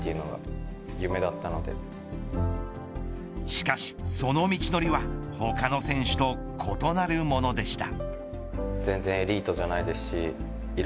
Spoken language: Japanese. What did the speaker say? しかしその道のりは他の選手と異なるものでした。